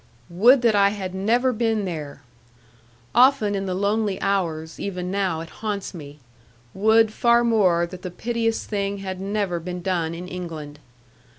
Would that I had never been there! Often in the lonely hours, even now it haunts me: would, far more, that the piteous thing had never been done in England!